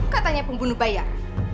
katanya pembunuh bayar